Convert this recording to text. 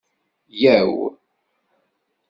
Yyaw!